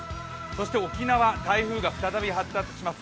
そして沖縄、台風が再び発達します。